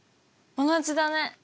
同じだね。